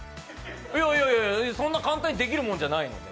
いやいや、そんな簡単にできるものじゃないので。